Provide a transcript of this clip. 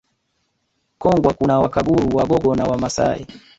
Kongwa kuna Wakaguru Wagogo na Wamasai